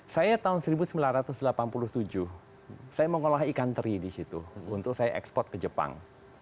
saya tahun seribu sembilan ratus delapan puluh tujuh saya mengolah ikan teri di situ untuk saya ekspor ke jepang